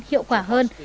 hiệu quả hơn